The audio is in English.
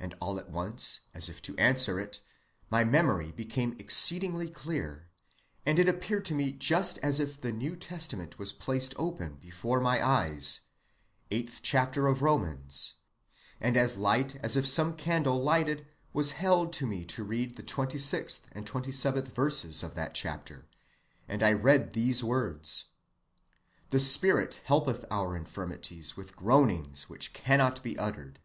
and all at once, as if to answer it, my memory became exceedingly clear, and it appeared to me just as if the New Testament was placed open before me, eighth chapter of Romans, and as light as if some candle lighted was held for me to read the 26th and 27th verses of that chapter, and I read these words: 'The Spirit helpeth our infirmities with groanings which cannot be uttered.